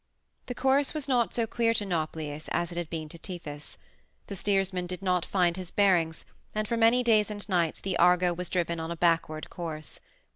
The course was not so clear to Nauplius as it had been to Tiphys. The steersman did not find his bearings, and for many days and nights the Argo was driven on a backward course.